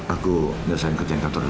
aku gak usah ikutin kantor dulu